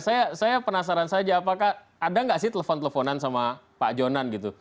saya penasaran saja apakah ada nggak sih telepon teleponan sama pak jonan gitu